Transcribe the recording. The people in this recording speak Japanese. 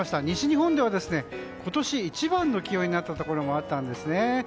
西日本では今年一番の気温になったところもあったんですね。